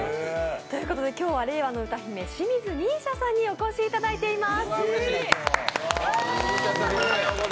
今日は令和の歌姫清水美依紗さんにお越しいただいています。